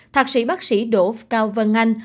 thạc sĩ bác sĩ đỗ cao vân anh